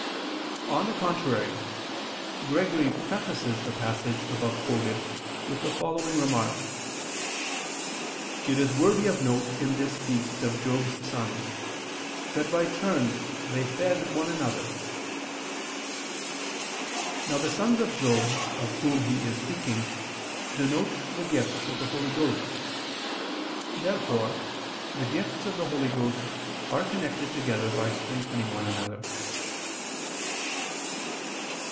On the contrary, Gregory prefaces the passage above quoted, with the following remark: "It is worthy of note in this feast of Job's sons, that by turns they fed one another." Now the sons of Job, of whom he is speaking, denote the gifts of the Holy Ghost. Therefore the gifts of the Holy Ghost are connected together by strengthening one another.